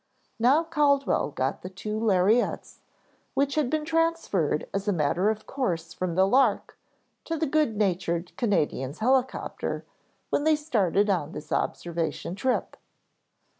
Now Caldwell got the two lariats, which had been transferred as a matter of course from the "Lark" to the good natured Canadian's helicopter when they started on this observation trip.